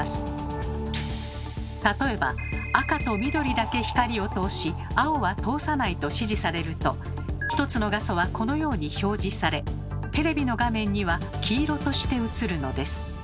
例えば「赤と緑だけ光を通し青は通さない」と指示されると１つの画素はこのように表示されテレビの画面には黄色として映るのです。